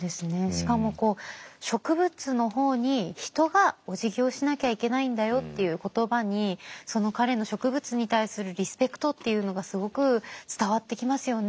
しかもこう植物の方に人がおじぎをしなきゃいけないんだよっていう言葉にその彼の植物に対するリスペクトっていうのがすごく伝わってきますよね。